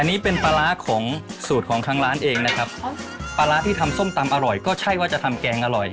อันนี้เป็นปลาร้าของสูตรของทางร้านเองนะครับปลาร้าที่ทำส้มตำอร่อยก็ใช่ว่าจะทำแกงอร่อย